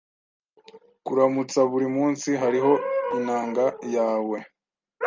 Kuramutsa buri munsi hariho inanga ya we